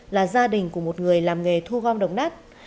là gia đình của một người làm nghề thu gom đồng nát